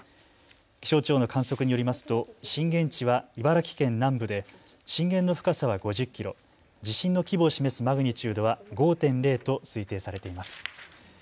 気象庁の観測によりますと震源地は茨城県南部で震源の深さは５０キロ、地震の規模を示すマグニチュードは５．０と推定されています。